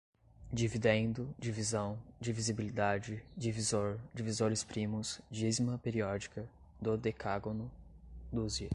dividendo, divisão, divisibilidade, divisor, divisores primos, dízima periódica, dodecágono, dúzia